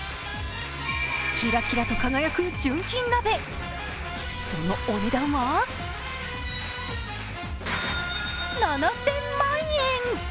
キラキラと輝く純金鍋、そのお値段は７０００万円。